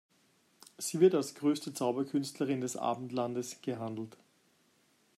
Sie wird als größte Zauberkünstlerin des Abendlandes gehandelt.